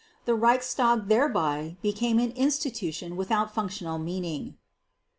The Reichstag thereby became an institution without functional meaning.